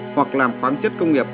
hoặc làm khoáng chất công nghiệp